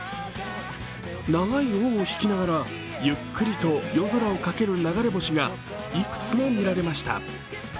長い尾を引きながらゆっくりと夜空をかける流れ星がいくつも見られました。